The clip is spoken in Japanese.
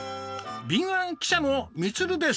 敏腕記者のみつるです。